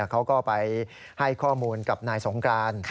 เขาก็ไปให้ข้อมูลกับนายสงกราน